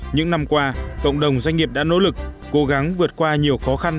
những năm qua cộng đồng doanh nghiệp đã nỗ lực cố gắng vượt qua nhiều khó khăn